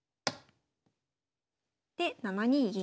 で７二銀。